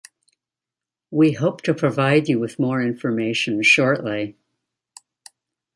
We hope to provide you with more information shortly.